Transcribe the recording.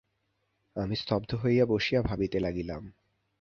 আমি স্তব্ধ হইয়া বসিয়া ভাবিতে লাগিলাম।